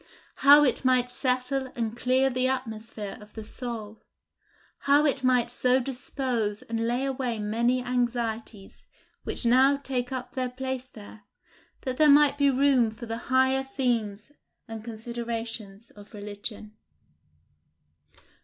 how it might settle and clear the atmosphere of the soul! how it might so dispose and lay away many anxieties which now take up their place there, that there might be room for the higher themes and considerations of religion!